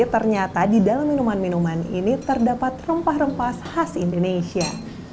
ternyata di dalam minuman minuman ini terdapat rempah rempah khas indonesia